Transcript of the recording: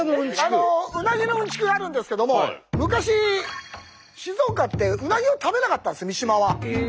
うなぎのうんちくがあるんですけども昔静岡ってうなぎを食べなかったんです三島は。